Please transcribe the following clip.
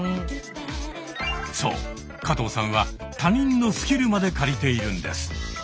そう加藤さんは他人のスキルまで借りているんです。